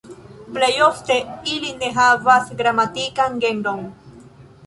Plej ofte ili ne havas gramatikan genron.